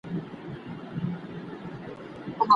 د لیکلو مهارت تل د انسان په کار راځي.